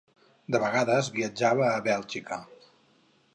De vegades viatjava a Bèlgica.